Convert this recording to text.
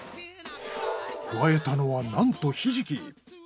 加えたのはなんとひじき。